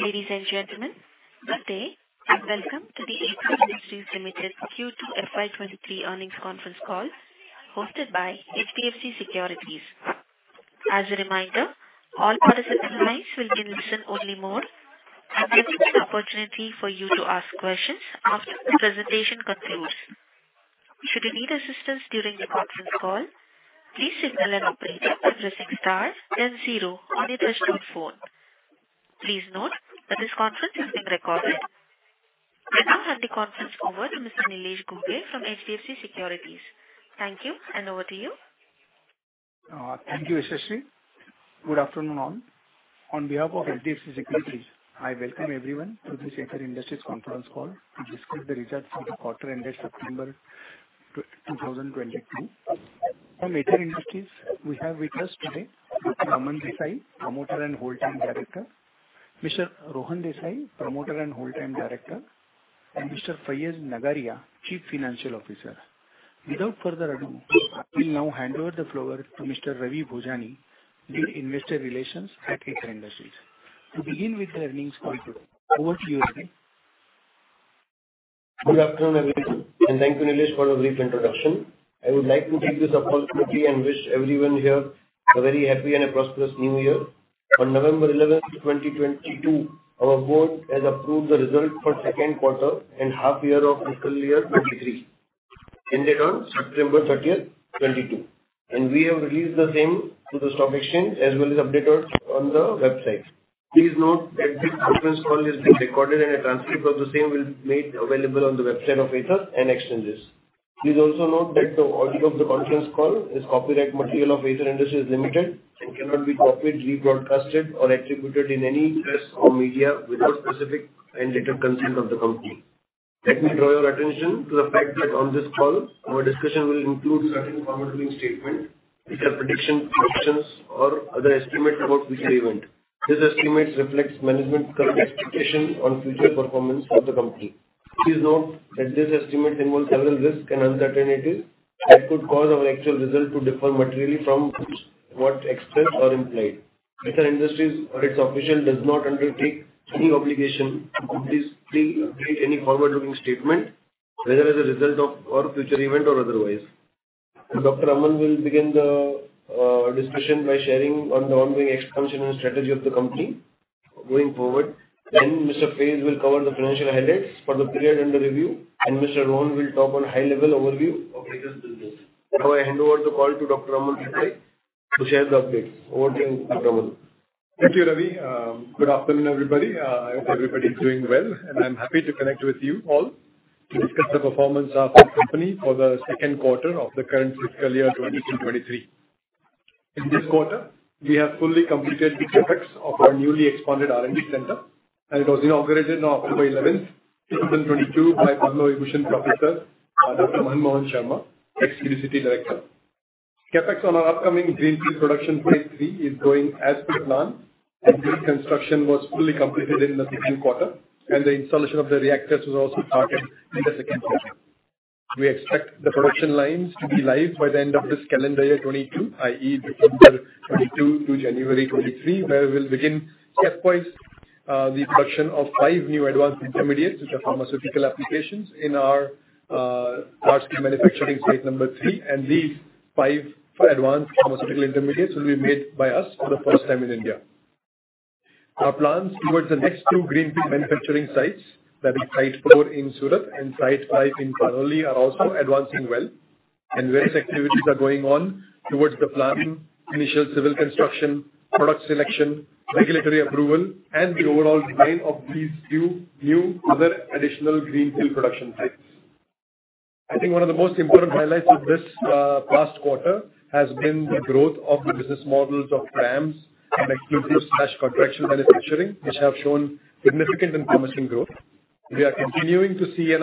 Ladies and gentlemen, good day, and welcome to the Aether Industries Limited Q2 FY23 Earnings Conference Call, hosted by HDFC Securities. As a reminder, all participant lines will be in listen-only mode, and there will be an opportunity for you to ask questions after the presentation concludes. Should you need assistance during the conference call, please signal an operator by pressing star then zero on your touchtone phone. Please note that this conference is being recorded. I now hand the conference over to Mr. Nilesh Ghuge from HDFC Securities. Thank you, and over to you. Thank you, Ashasri. Good afternoon, all. On behalf of HDFC Securities, I welcome everyone to this Aether Industries Conference Call to discuss the results of the quarter ended September 2022. From Aether Industries, we have with us today, Dr. Aman Desai, Promoter and Whole Time Director, Mr. Rohan Desai, Promoter and Whole Time Director, and Mr. Faiz Nagariya, Chief Financial Officer. Without further ado, I will now hand over the floor to Mr. Ravi Bhojani, the Investor Relations at Aether Industries, to begin with the earnings call today. Over to you, Ravi. Good afternoon, everyone, and thank you, Nilesh, for the brief introduction. I would like to take this opportunity and wish everyone here a very happy and a prosperous New Year. On November 11, 2022, our board has approved the result for second quarter and half year of fiscal year 2023, ended on September 30, 2022, and we have released the same to the stock exchange, as well as updated on the website. Please note that this conference call is being recorded and a transcript of the same will be made available on the website of Aether and exchanges. Please also note that the audio of the conference call is copyright material of Aether Industries Limited and cannot be copied, rebroadcast, or attributed in any press or media without specific and written consent of the company. Let me draw your attention to the fact that on this call, our discussion will include certain forward-looking statements, which are predictions, projections, or other estimates about future events. These estimates reflect management's current expectation on future performance of the company. Please note that this estimate involves several risks and uncertainties that could cause our actual results to differ materially from what expressed or implied. Aether Industries or its officials does not undertake any obligation to publicly update any forward-looking statement, whether as a result of or future event or otherwise. Dr. Aman will begin the discussion by sharing on the ongoing expansion and strategy of the company going forward. Then Mr. Faiz will cover the financial highlights for the period under review, and Mr. Rohan will talk on a high-level overview of latest business. Now, I hand over the call to Dr. Aman Desai to share the updates. Over to you, Dr. Aman. Thank you, Ravi. Good afternoon, everybody. I hope everybody is doing well, and I'm happy to connect with you all to discuss the performance of our company for the second quarter of the current fiscal year 2022-2023. In this quarter, we have fully completed the CapEx of our newly expanded R&D center, and it was inaugurated on October 11, 2022, by Padma Vibhushan Professor Dr. Manmohan Sharma, Ex-ICT Director. CapEx on our upcoming Greenfield production phase III is going as per plan, and this construction was fully completed in the second quarter, and the installation of the reactors was also started in the second quarter. We expect the production lines to be live by the end of this calendar year, 2022, i.e., December 2022 to January 2023, where we'll begin stepwise the production of five new advanced intermediates, which are pharmaceutical applications in our large-scale manufacturing site number three, and these five advanced pharmaceutical intermediates will be made by us for the first time in India. Our plans towards the next two Greenfield manufacturing sites, that is Site 4 in Surat and Site 5 in Panoli, are also advancing well, and various activities are going on towards the planning, initial civil construction, product selection, regulatory approval, and the overall design of these few new other additional Greenfield production sites. I think one of the most important highlights of this past quarter has been the growth of the business models of CRAMS and exclusive/contractual manufacturing, which have shown significant and promising growth. We are continuing to see a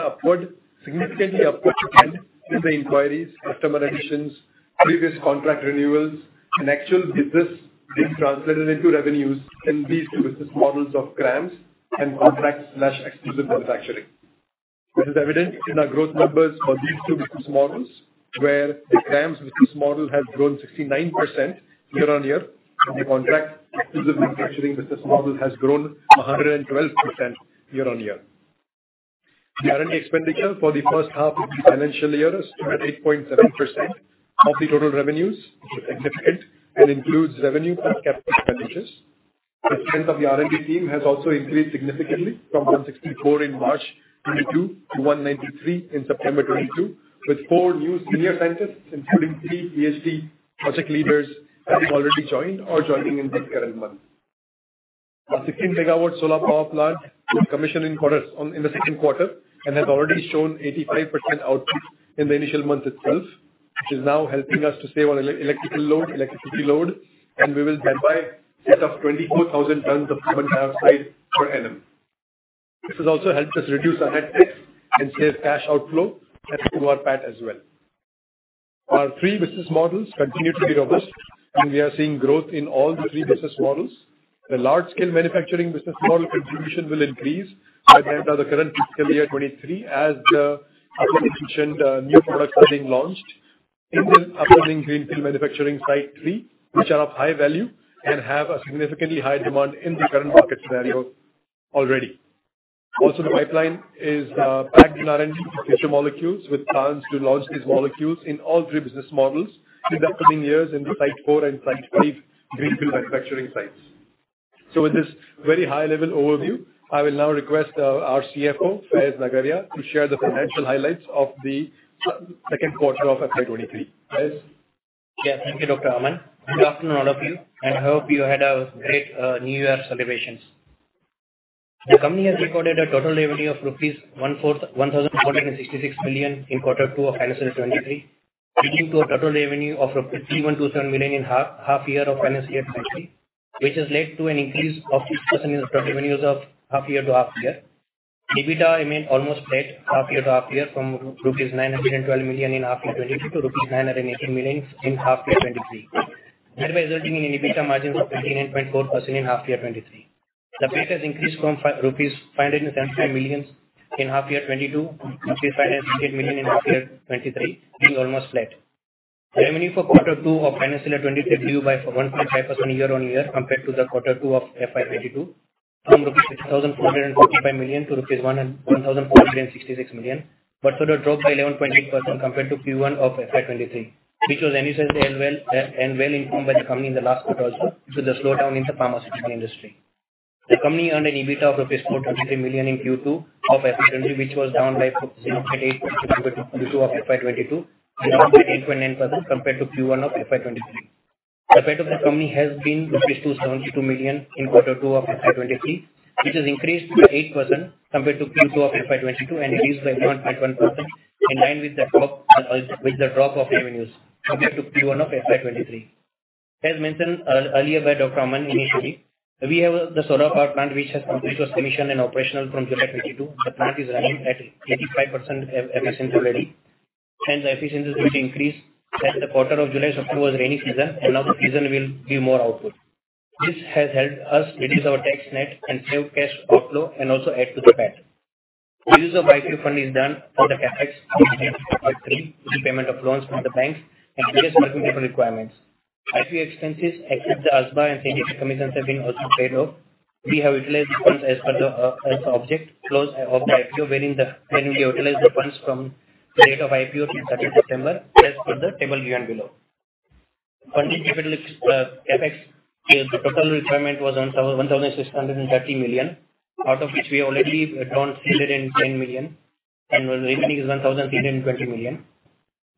significantly upward trend in the inquiries, customer additions, previous contract renewals and actual business being translated into revenues in these business models of CRAMS and contract/exclusive manufacturing. This is evident in our growth numbers for these two business models, where the CRAMS business model has grown 69% year-on-year, and the contract exclusive manufacturing business model has grown 112% year-on-year. The R&D expenditure for the first half of the financial year is at 8.7% of the total revenues, which is significant, and includes revenue and capital expenditures. The strength of the R&D team has also increased significantly from 164 in March 2022 to 193 in September 2022, with four new senior scientists, including three PhD project leaders, have already joined or joining in this current month. Our 16-megawatt solar power plant was commissioned in quarters... in the second quarter and has already shown 85% output in the initial month itself, which is now helping us to save on electrical load, electricity load, and we will thereby set up 24,000 tons of carbon dioxide per annum. This has also helped us reduce our hydro carbon and save cash outflow and to our PAT as well. Our three business models continue to be robust, and we are seeing growth in all the three business models. The large-scale manufacturing business model contribution will increase by the end of the current fiscal year, 2023, as the application, new products are being launched.... in this upcoming greenfield manufacturing Site 3, which are of high value and have a significantly high demand in the current market scenario already. Also, the pipeline is packed in R&D future molecules, with plans to launch these molecules in all three business models in the coming years in the Site 4 and Site 5 greenfield manufacturing sites. So with this very high level overview, I will now request our CFO, Faiz Nagariya, to share the financial highlights of the second quarter of FY 2023. Faiz? Yeah, thank you, Dr. Aman. Good afternoon, all of you. I hope you had a great New Year celebrations. The company has recorded a total revenue of 1,466 million in quarter two of financial year 2023, leading to a total revenue of 31,000 million rupees in half year of financial year 2023, which has led to an increase of 6% in the revenues of half year to half year. EBITDA remained almost flat, half year to half year, from rupees 912 million in half year 2022 to rupees 918 million in half year 2023, thereby resulting in an EBITDA margin of 29.4% in half year 2023. The PAT has increased from rupees 575 million in half year 2022 to 500 million in half year 2023, being almost flat. Revenue for quarter two of financial year 2023 by 1.5% year-on-year, compared to the quarter two of FY 2022, from 6,445 million-1,466 million rupees, but further dropped by 11.8% compared to Q1 of FY 2023, which was anticipated well, and well informed by the company in the last quarter also, due to the slowdown in the pharmaceutical industry. The company earned an EBITDA of 423 million in Q2 of FY 2023, which was down by roughly 8% Q2 of FY 2022, and down by 8.9% compared to Q1 of FY 2023. The PAT of the company has been 272 million in quarter two of FY 2023, which has increased by 8% compared to Q2 of FY 2022, and reduced by 1.1%, in line with the drop with the drop of revenues compared to Q1 of FY 2023. As mentioned earlier by Dr. Aman initially, we have the solar power plant, which has completed its commission and operational from July 2022. The plant is running at 85% efficiency already, and the efficiency is going to increase. The quarter of July, September was rainy season, and now the season will give more output. This has helped us reduce our tax net and save cash outflow, and also add to the PAT. The use of IPO funding is done for the CapEx prepayment of loans from the banks and business working capital requirements. IPO expenses, except the ASBA and commissions have been also paid off. We have utilized the funds as per the, as object, close of the IPO, wherein the we utilized the funds from the date of IPO till second September, as per the table given below. Funding capital ex- CapEx, the total requirement was 1,630 million, out of which we already drawn 310 million, and the remaining is 1,320 million.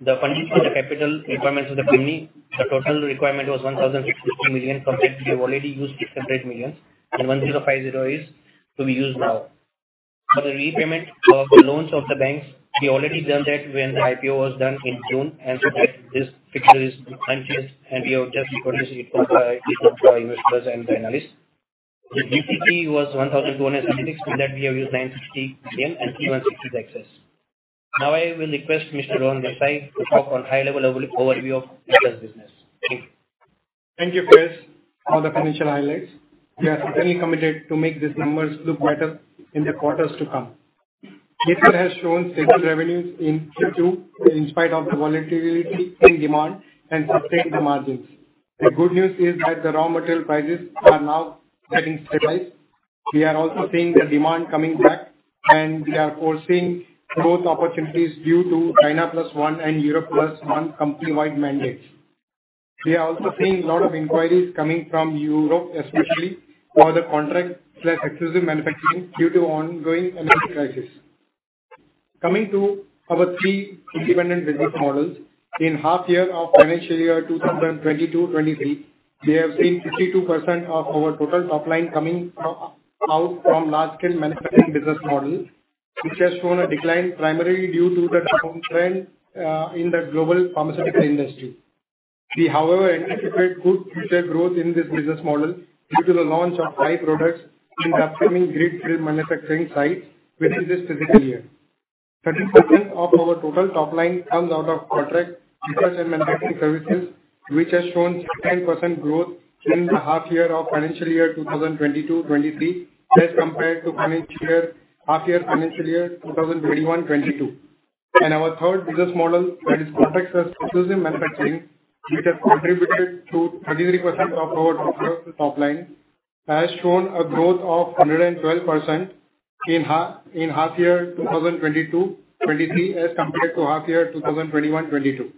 The funding for the capital requirements of the company, the total requirement was 1,650 million, compared to we already used 600 million, and 1,050 is to be used now. For the repayment of the loans of the banks, we already done that when the IPO was done in June, and so this figure is unchanged, and we have just got this info for investors and the analysts. The GCP was 1,276, in that we have used 960 million, and 360 is excess. Now I will request Mr. Rohan Desai to talk on high-level overview of Aether's business. Thank you. Thank you, Faiz, for the financial highlights. We are fully committed to make these numbers look better in the quarters to come. Aether has shown stable revenues in Q2, in spite of the volatility in demand and sustained the margins. The good news is that the raw material prices are now getting stabilized. We are also seeing the demand coming back, and we are foreseeing growth opportunities due to China Plus One and Europe Plus One company-wide mandates. We are also seeing a lot of inquiries coming from Europe, especially, for the contract slash exclusive manufacturing due to ongoing energy crisis. Coming to our three independent business models, in half year of financial year 2022-23, we have seen 52% of our total top line coming out from large-scale manufacturing business model, which has shown a decline primarily due to the downturn in the global pharmaceutical industry. We, however, anticipate good future growth in this business model due to the launch of five products in the upcoming greenfield manufacturing sites, which is this fiscal year. 30% of our total top line comes out of contract research and manufacturing services, which has shown 10% growth in the half year of financial year 2022-23, as compared to half year financial year 2021-22. And our third business model, that is contract plus exclusive manufacturing, which has contributed to 33% of our top line, has shown a growth of 112% in half year 2022-23, as compared to half year 2021-22.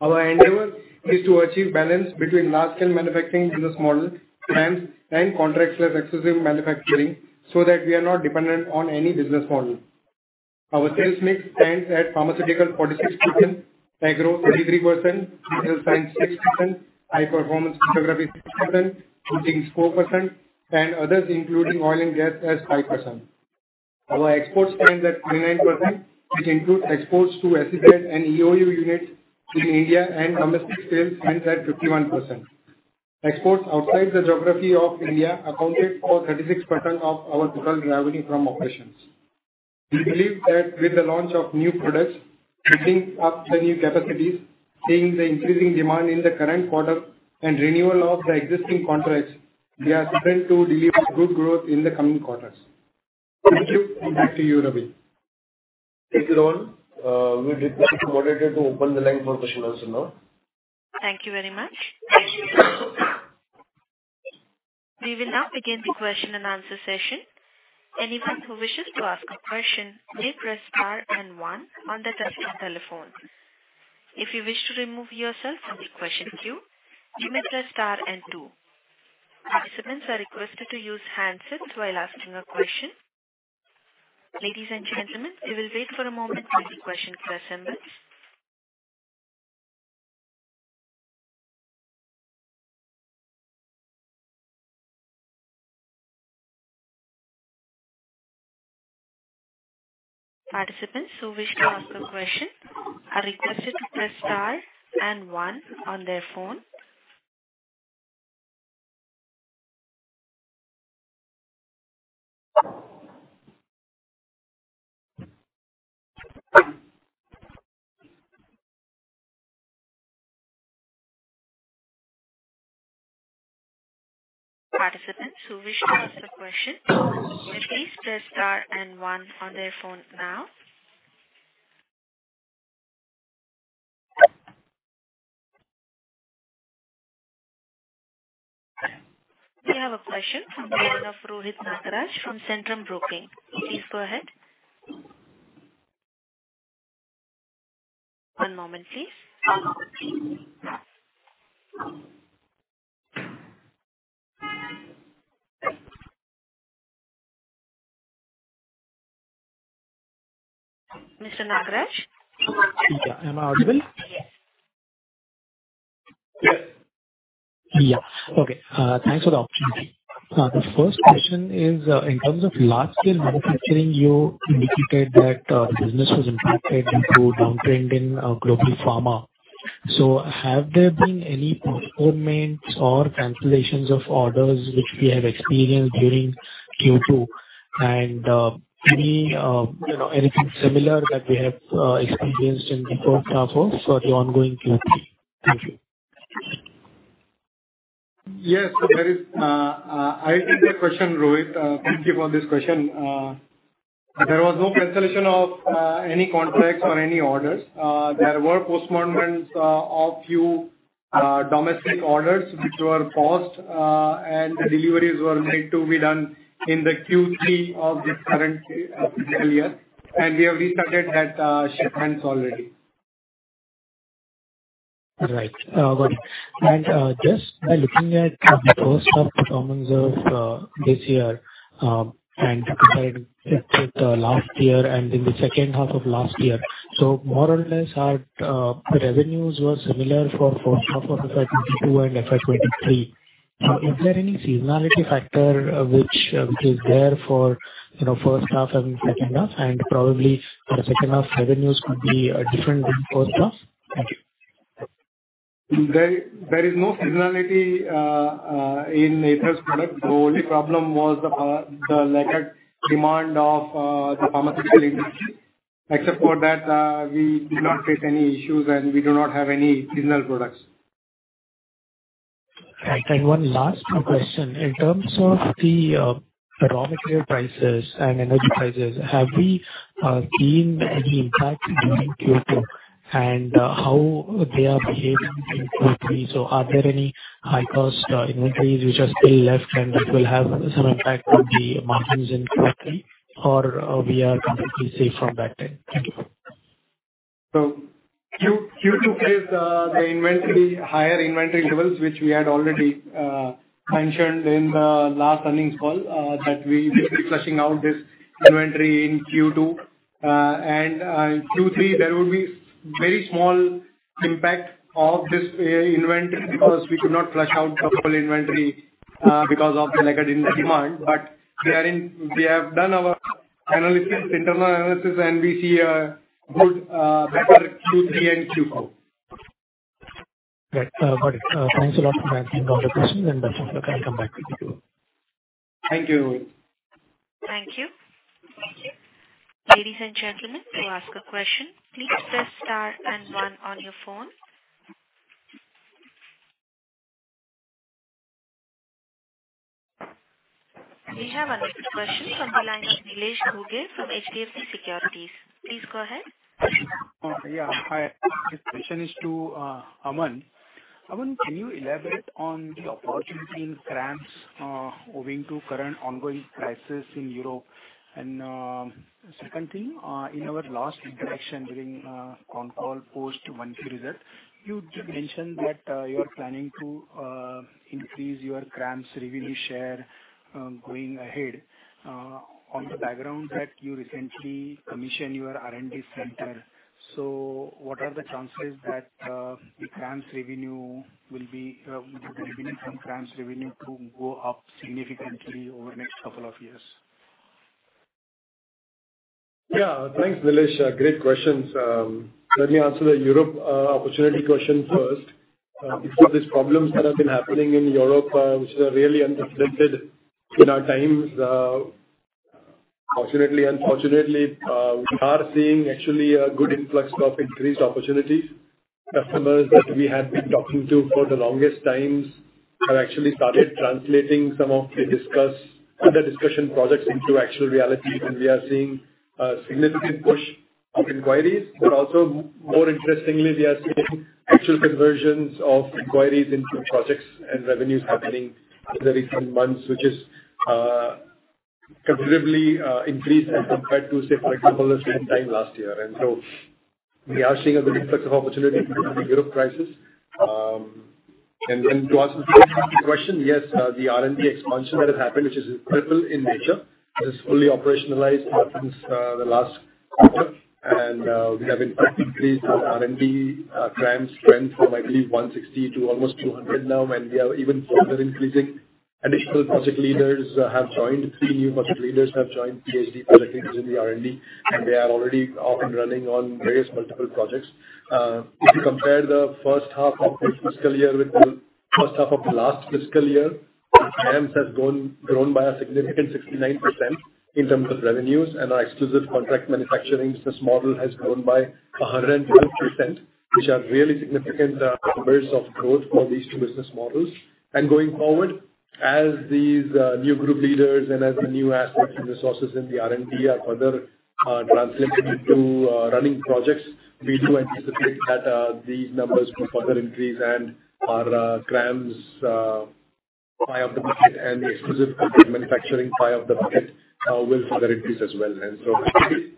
Our endeavor is to achieve balance between large-scale manufacturing business model and contract plus exclusive manufacturing, so that we are not dependent on any business model. Our sales mix stands at Pharmaceutical 46%, Agro 33%, Dental Science 6%, High Performance Photography 7%, Coatings 4%, and others, including Oil and Gas, as 5%. Our exports stand at 29%, which includes exports to SEZ and EOU units in India, and domestic sales stands at 51%. Exports outside the geography of India accounted for 36% of our total revenue from operations. We believe that with the launch of new products, setting up the new capacities, seeing the increasing demand in the current quarter and renewal of the existing contracts, we are certain to deliver good growth in the coming quarters.... Thank you. Back to you, Ravi.. Thank you, Rohan. We'd like moderator to open the line for questions now. Thank you very much. We will now begin the question and answer session. Anyone who wishes to ask a question, please press star and one on the touch-tone telephone. If you wish to remove yourself from the question queue, you may press star and two. Participants are requested to use handsets while asking a question. Ladies and gentlemen, we will wait for a moment for the question to assemble. Participants who wish to ask a question are requested to press star and one on their phone. Participants who wish to ask a question, please press star and one on their phone now. We have a question from Rohit Nagraj from Centrum Broking. Please go ahead. One moment, please. Mr. Nagraj? Yeah. Am I audible? Yeah. Okay. Thanks for the opportunity. The first question is, in terms of large-scale manufacturing, you indicated that business was impacted due to downtrend in global pharma. So have there been any postponements or cancellations of orders, which we have experienced during Q2? And, any, you know, anything similar that we have experienced in the first half of or the ongoing Q3? Thank you. Yes, there is. I get the question, Rohit. Thank you for this question. There was no cancellation of any contracts or any orders. There were postponements of few domestic orders, which were paused, and deliveries were made to be done in the Q3 of this current fiscal year, and we have restarted that shipments already. Right. Got it. And, just by looking at the first half performance of, this year, and comparing it with the last year and in the second half of last year, so more or less, our, revenues were similar for first half of FY 2022 and FY 2023. Is there any seasonality factor, which, which is there for, you know, first half and second half, and probably for the second half, revenues could be, different than first half? Thank you. There is no seasonality in Aether's products. The only problem was the lagged demand of the pharmaceutical industry. Except for that, we did not face any issues, and we do not have any seasonal products. Then one last question: In terms of the raw material prices and energy prices, have we seen any impact during Q2, and how they are behaving in Q3? Are there any high-cost inventories which are still left, and which will have some impact on the margins in Q3, or we are completely safe from that end? Thank you. So, Q2 is the inventory, higher inventory levels, which we had already mentioned in the last earnings call, that we will be flushing out this inventory in Q2. And in Q3, there will be very small impact of this inventory because we could not flush out the full inventory because of the lag in demand. But we have done our analysis, internal analysis, and we see a good, better Q3 and Q4. Right. Got it. Thanks a lot for answering all the questions, and I come back with you. Thank you, Rohit. Thank you. Ladies and gentlemen, to ask a question, please press star and one on your phone. We have another question from the line of Nilesh Ghuge from HDFC Securities. Please go ahead. Yeah, hi. This question is to Aman. Aman, can you elaborate on the opportunity in CRAMS owing to current ongoing crisis in Europe? And second thing, in our last interaction during con call post monthly result, you mentioned that you are planning to increase your CRAMS revenue share going ahead on the background that you recently commissioned your R&D center. So what are the chances that the CRAMS revenue will be the revenue from CRAMS revenue to go up significantly over the next couple of years? Yeah. Thanks, Nilesh. Great questions. Let me answer the Europe opportunity question first. Because of these problems that have been happening in Europe, which are really unprecedented in our times, fortunately unfortunately, we are seeing actually a good influx of increased opportunities.... customers that we have been talking to for the longest times have actually started translating some of the under discussion projects into actual reality. And we are seeing a significant push of inquiries. But also more interestingly, we are seeing actual conversions of inquiries into projects and revenues happening within months, which is considerably increased as compared to, say, for example, the same time last year. And so we are seeing a real opportunity in the Europe crisis. And to answer the question, yes, the R&D expansion that has happened, which is critical in nature, it is fully operationalized since the last quarter. And we have increased our R&D team's strength from, I believe, 160 to almost 200 now, and we are even further increasing. Additional project leaders have joined. Three new project leaders have joined High Performance Photography in the R&D, and they are already off and running on various multiple projects. If you compare the first half of this fiscal year with the first half of the last fiscal year, CRAMS has grown by a significant 69% in terms of revenues. Our exclusive contract manufacturing business model has grown by 120%, which are really significant numbers of growth for these two business models. Going forward, as these new group leaders and as the new assets and resources in the R&D are further translated into running projects, we do anticipate that these numbers will further increase and our CRAMS pie of the market and exclusive contract manufacturing pie of the market will further increase as well. And so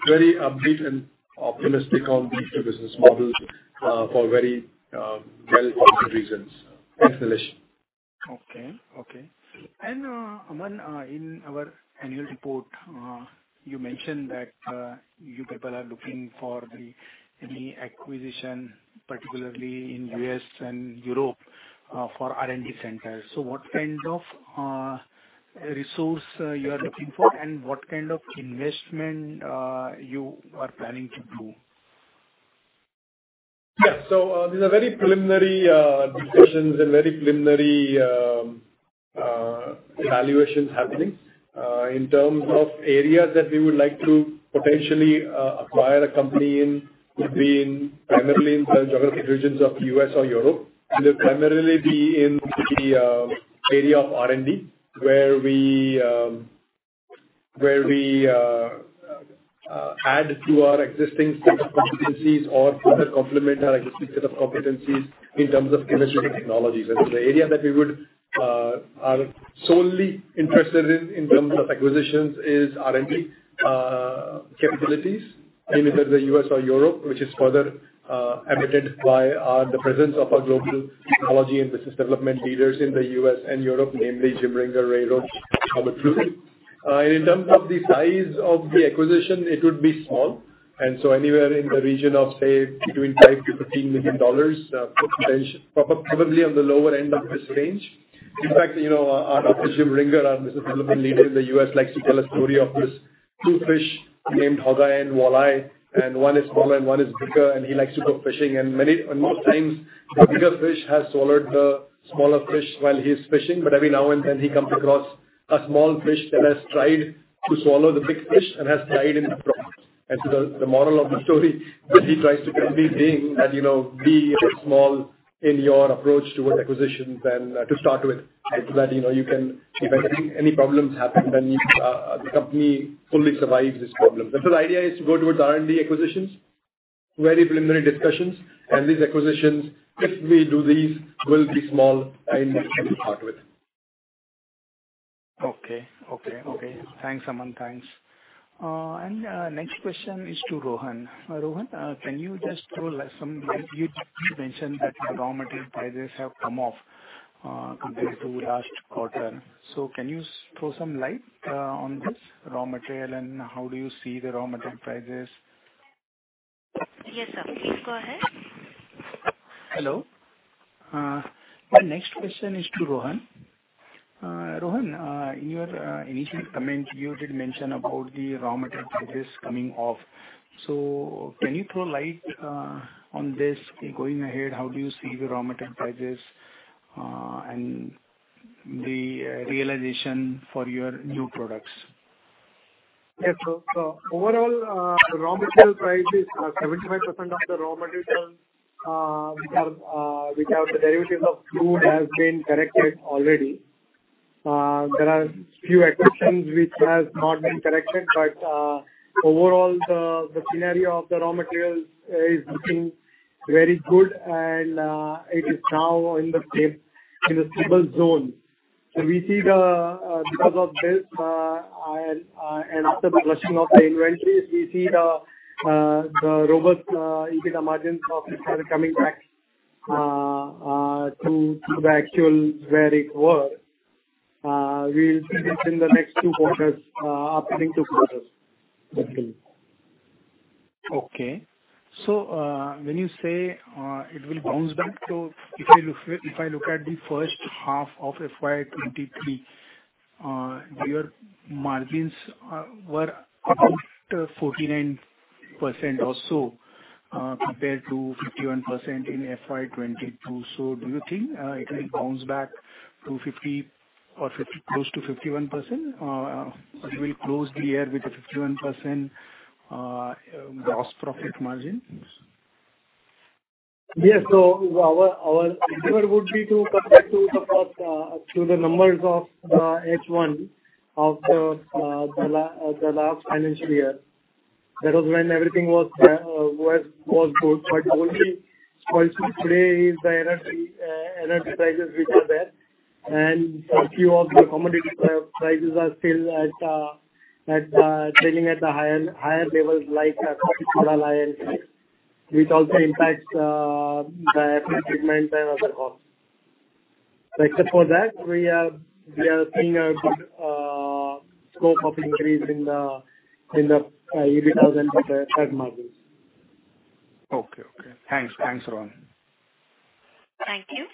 very upbeat and optimistic on these two business models, for very, well reasons. Thanks, Nilesh. Okay, okay. And, Aman, in our annual report, you mentioned that you people are looking for the, any acquisition, particularly in U.S. and Europe, for R&D centers. So what kind of resource you are looking for, and what kind of investment you are planning to do? Yeah. So, these are very preliminary discussions and very preliminary evaluations happening. In terms of areas that we would like to potentially acquire a company in, could be in, primarily in the geographic regions of U.S. or Europe, and primarily be in the area of R&D, where we add to our existing set of competencies or further complement our existing set of competencies in terms of initial technologies. And the area that we are solely interested in, in terms of acquisitions is R&D capabilities, either the US or Europe, which is further aided by the presence of our global technology and business development leaders in the U.S. and Europe, namely James Ringer, Ray Roach. In terms of the size of the acquisition, it would be small, and so anywhere in the region of, say, between $5-$15 million, probably on the lower end of this range. In fact, you know, our, Dr. James Ringer, our business development leader in the U.S., likes to tell a story of this two fish named Haga and Walleye, and one is smaller and one is bigger, and he likes to go fishing. Many, many times, the bigger fish has swallowed the smaller fish while he is fishing. But every now and then, he comes across a small fish that has tried to swallow the big fish and has died in the process. And so the moral of the story is he tries to convey being that, you know, be small in your approach towards acquisitions and to start with, so that, you know, you can, if any problems happen, then the company fully survives this problem. And so the idea is to go towards R&D acquisitions, very preliminary discussions. And these acquisitions, if we do these, will be small in to start with. Okay. Okay, okay. Thanks, Aman. Thanks. And, next question is to Rohan. Rohan, can you just throw some... You mentioned that the raw material prices have come off, compared to last quarter. So can you throw some light, on this raw material, and how do you see the raw material prices? Yes, sir. Please go ahead. Hello. My next question is to Rohan. Rohan, in your initial comments, you did mention about the raw material prices coming off. So can you throw light on this? Going ahead, how do you see the raw material prices and the realization for your new products? Yes, so, so overall, the raw material prices, 75% of the raw material, which are, which are the derivatives of food, has been corrected already. There are few acquisitions which has not been corrected, but, overall, the, the scenario of the raw materials is looking very good, and, it is now in the stable zone. So we see the, because of this, and, and after the flushing of the inventory, we see the, the robust, EBIT margins of it are coming back, to, to the actual where it were. We'll see this in the next two quarters, upcoming two quarters, definitely. Okay. So, when you say, it will bounce back, so if I look at the first half of FY 2023, your margins were about 49% or so, compared to 51% in FY 2022. So do you think, it will bounce back to 50 or 50, close to 51%, as we close the year with a 51% gross profit margin?... Yes, so our driver would be to come back to the first, to the numbers of H1 of the last financial year. That was when everything was good, but only today is the energy prices, which are there. And a few of the commodity prices are still at trading at the higher levels, like, which also impacts the segment and other costs. So except for that, we are seeing a good scope of increase in the EBITDA and the trade margins. Okay. Thanks, Rohan. Thank you.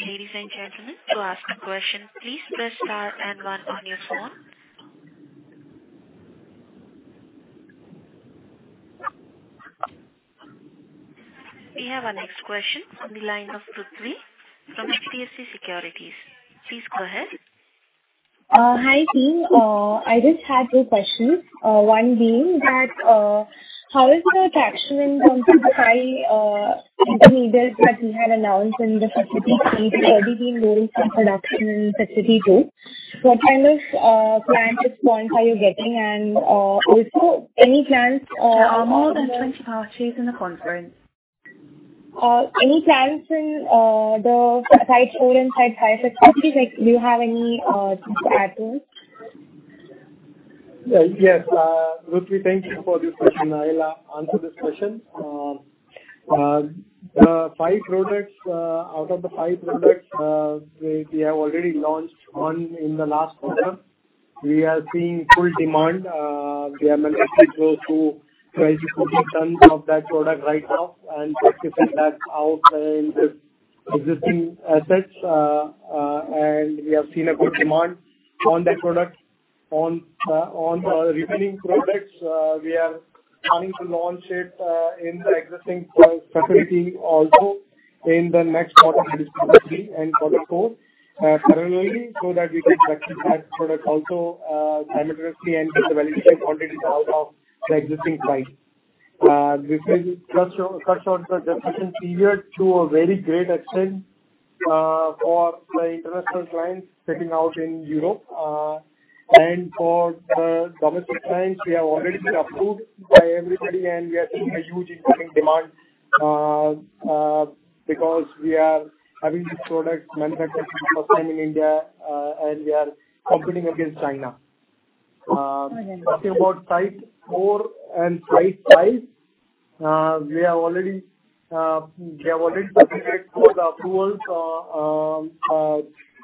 Ladies and gentlemen, to ask a question, please press star and one on your phone. We have our next question on the line of Rutvi from HDFC Securities. Please go ahead. Hi, team. I just had two questions. One being that, how is the traction in terms of the five intermediates that we had announced in the Facility 3 already being released for production in Facility 2? What kind of plant response are you getting? And, also any plans, There are more than 20 parties in the conference. Any plans in the Site 4 and Site 5 facilities, like do you have any to add to? Yes, Rutvi, thank you for this question. I'll answer this question. The five products, out of the five products, we have already launched one in the last quarter. We are seeing full demand. We have managed to go to 24 tons of that product right now and that out in the existing assets. And we have seen a good demand on that product. On the remaining products, we are planning to launch it in the existing facility also in the next quarter and quarter four, parallelly, so that we can launch that product also simultaneously and get the validation quantities out of the existing site. This is cut short, cut short the definition period to a very great extent for the international clients sitting out in Europe. And for the domestic clients, we have already been approved by everybody, and we are seeing a huge incoming demand, because we are having these products manufactured for first time in India, and we are competing against China. Talking about Site 4 and Site 5, we have already, we have already submitted for the approvals,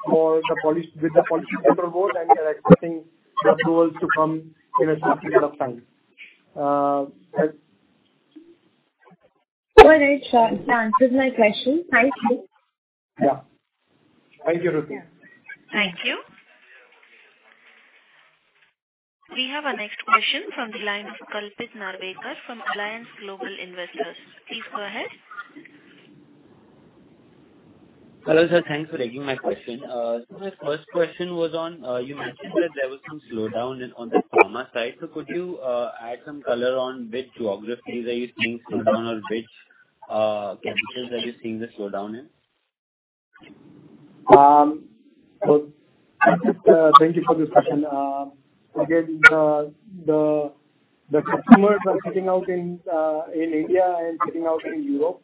for Panoli with the Pollution Control Board, and we are expecting the approvals to come in a short period of time. But- All right, sir. You answered my question. Thank you. Yeah. Thank you, Rutvi. Thank you. We have our next question from the line of Kalpit Narvekar from Allianz Global Investors. Please go ahead. Hello, sir. Thanks for taking my question. So my first question was on, you mentioned that there was some slowdown in on the pharma side. So could you, add some color on which geographies are you seeing slowdown or which, countries are you seeing the slowdown in? So, thank you for this question. Again, the customers are sitting out in India and sitting out in Europe.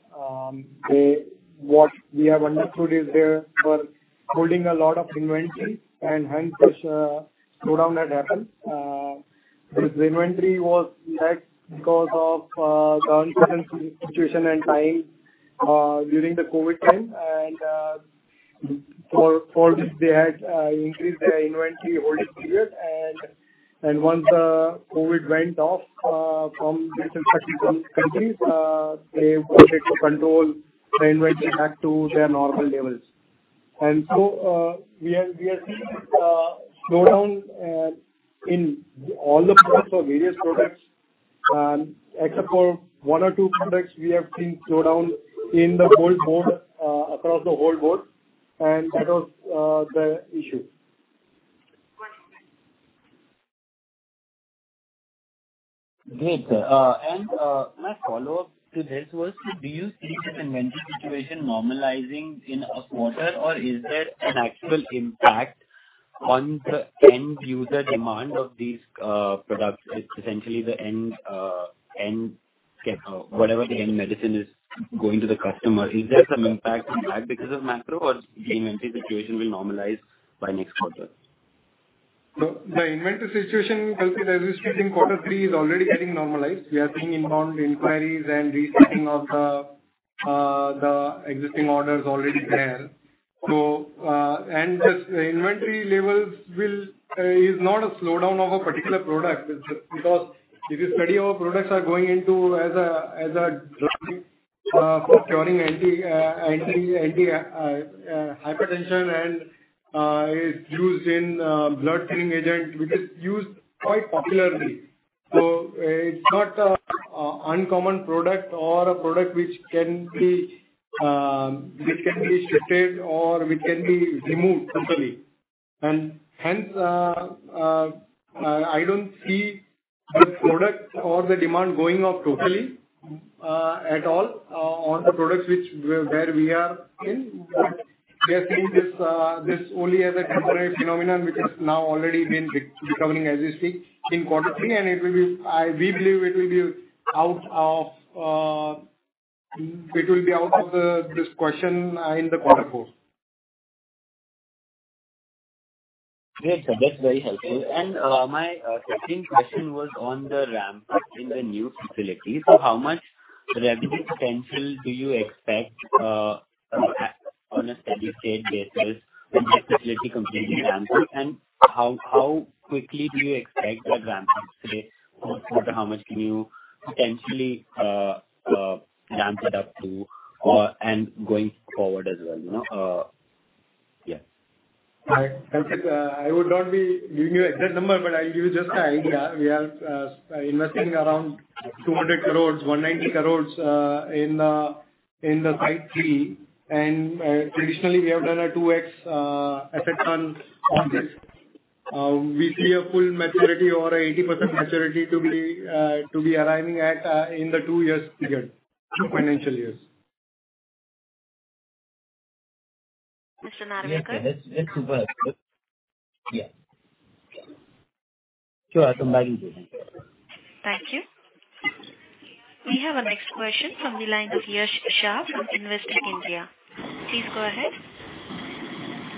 What we have understood is they were holding a lot of inventory, and hence this slowdown had happened. This inventory was held because of the uncertain situation and time during the COVID time. And for this, they had increased their inventory holding period. And once the COVID went off from certain countries, they wanted to control the inventory back to their normal levels. And so, we are seeing slowdown in all the products or various products, except for one or two products, we have seen slowdown in the whole board, across the whole board, and that was the issue. Great, sir. And, my follow-up to this was, do you see this inventory situation normalizing in a quarter, or is there an actual impact on the end user demand of these products? It's essentially the end, whatever the end medicine is going to the customer. Is there some impact on that because of macro, or the inventory situation will normalize by next quarter? So the inventory situation, Kalpit, as we speak in quarter three, is already getting normalized. We are seeing inbound inquiries and rethinking of the existing orders already there. So, this inventory levels is not a slowdown of a particular product, because if you study our products are going into as a drug for curing anti-hypertension and is used in blood thinning agent, which is used quite popularly. So it's not an uncommon product or a product which can be shifted or which can be removed totally... And hence, I don't see the product or the demand going off totally at all on the products where we are in. But we are seeing this only as a temporary phenomenon, which has now already been de-becoming as we speak in quarter three, and it will be, we believe it will be out of, it will be out of the, this question, in the quarter four. Great. So that's very helpful. And, my, second question was on the ramp in the new facility. So how much revenue potential do you expect, on a steady state basis when that facility completely ramps up? And how quickly do you expect the ramp up to be? Or how much can you potentially, ramp it up to, and going forward as well, you know? Yeah. Right. I would not be giving you an exact number, but I'll give you just an idea. We are investing around 200 crore, 190 crore in the Site 3. Traditionally we have done a 2x effect on this. We see a full maturity or 80% maturity to be arriving at in the two-year period, two financial years. Mr. Narvekar? Yes, that's, that's super. Yeah. Sure, thank you. Thank you. We have our next question from the line of Yash Shah from Investec India. Please go ahead.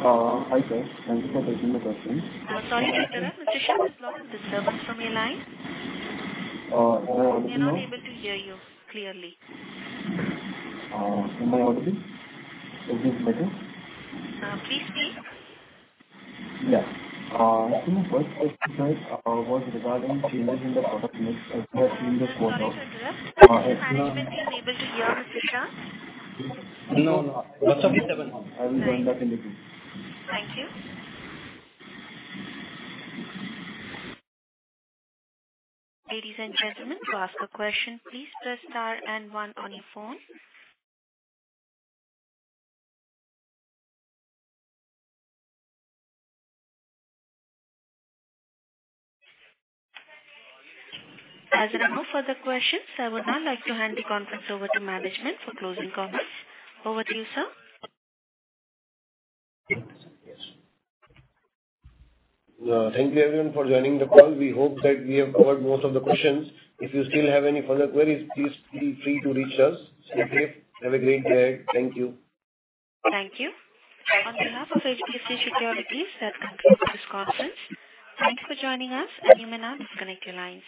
Hi, sir. Thank you for taking the question. I'm sorry, Mr. Shah, there's lot of disturbance from your line. Uh, hello. We are not able to hear you clearly. Am I audible? Is this better? Please speak. Yeah. My first question was regarding changes in the product mix- I'm sorry, sir. I'm unable to hear you, Mr. Shah. No, I will join back in the queue. Thank you. Ladies and gentlemen, to ask a question, please press star and one on your phone. As there are no further questions, I would now like to hand the conference over to management for closing comments. Over to you, sir. Thank you everyone for joining the call. We hope that we have covered most of the questions. If you still have any further queries, please feel free to reach us. Okay, have a great day. Thank you. Thank you. On behalf of HDFC Securities, that concludes this conference. Thank you for joining us, and you may now disconnect your lines.